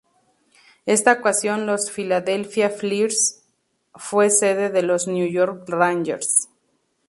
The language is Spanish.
Esta ocasión, los Philadelphia Flyers fue sede de los New York Rangers.